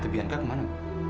tetepian kan kemana